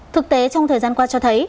thực tế trong thời gian qua cho thấy